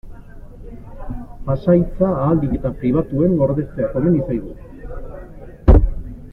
Pasahitza ahalik eta pribatuen gordetzea komeni zaigu.